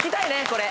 これ。